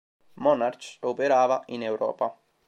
Monarch operava in Europa.